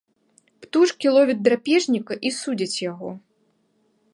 Птушкі ловяць драпежніка і судзяць яго.